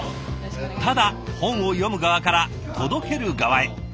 ただ本を読む側から届ける側へ。